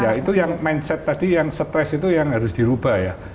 ya itu yang mindset tadi yang stres itu yang harus dirubah ya